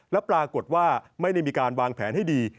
แล้วปรากฏว่าไม่ได้มีการวางแผนให้ดี